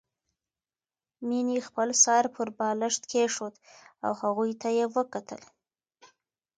مينې خپل سر پر بالښت کېښود او هغوی ته يې وکتل